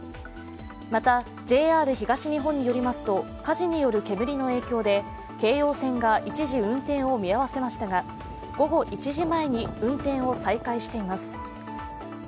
またＪＲ東日本によりますと、火事による煙の影響で京葉線が一時運転を見合わせましたが午後１時前に運転を再開しています。